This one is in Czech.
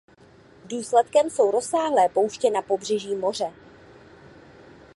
Důsledkem jsou rozsáhlé pouště na pobřeží moře.